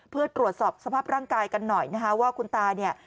เพื่อตรวจสอบสภาพร่างกายกันหน่อยนะคะว่าคุณตาเนี่ย